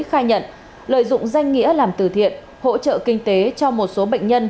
khai nhận lợi dụng danh nghĩa làm từ thiện hỗ trợ kinh tế cho một số bệnh nhân